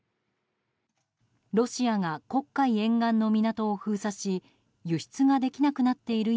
ロシアが黒海沿岸の港を封鎖し輸出ができなくなっている